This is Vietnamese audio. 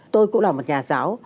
tôi cũng là một nhà giáo